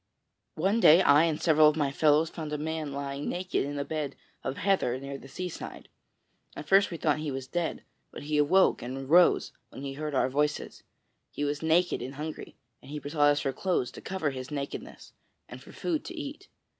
One day I and several of my fellows found a man lying naked in a bed of heather near the seaside. At first we thought he was dead, but he awoke and arose when he heard our voices. He was naked and hungry, and he besought us for clothes to cover his nakedness and for food to eat.